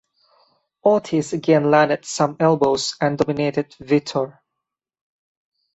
Ortiz again landed some elbows and dominated Vitor.